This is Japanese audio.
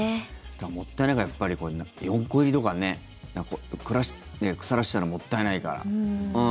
もったいないから４個入りとか腐らせたら、もったいないから。